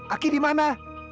aki di mana